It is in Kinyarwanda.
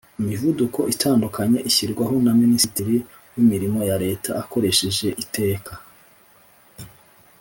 imivuduko itandukanya ishyirwaho na ministre w' imirimo ya leta akoresheje iteka